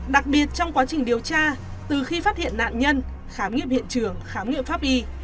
đặc biệt trong quá trình điều tra từ khi phát hiện nạn nhân khám nghiệm hiện trường khám nghiệm pháp y